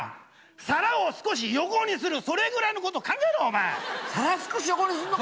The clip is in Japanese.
皿を少し横にするそれぐらい考えろ！